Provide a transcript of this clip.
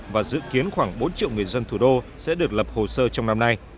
và dự kiến khoảng bốn triệu người dân thủ đô sẽ được lập hồ sơ trong năm nay